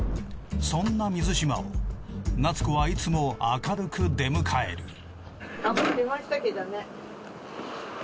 そんな水嶋を夏子はいつも明るく出迎える。